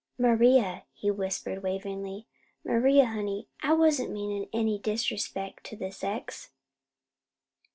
"Maria," he whispered, waveringly, "Maria, honey, I wasn't meanin' any disrespect to the sex."